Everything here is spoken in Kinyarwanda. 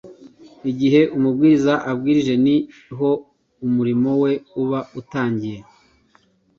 Igihe umubwiriza abwirije, ni ho umurimo we uba utangiye.